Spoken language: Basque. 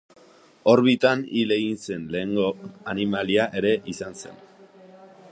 Orbitan hil egin zen lehenengo animalia ere izan zen.